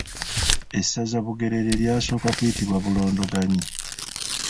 Essaza Bugerere lyasooka kuyitibwa Bulondoganyi.